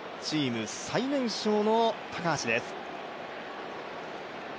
チーム最年少の高橋です。